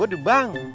gue di bank